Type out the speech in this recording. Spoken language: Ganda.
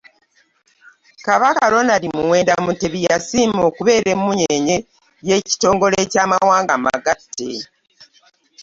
Kabaka Ronald Muwenda Mutebi yasiima okubeera emmunyeenye y'ekitongole ky'amawanga amagatte.